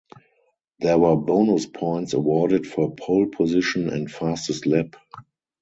There were bonus points awarded for Pole Position and Fastest Lap.